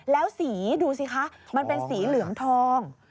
แล้วสีดูสิคะมันเป็นสีเหลืองทอง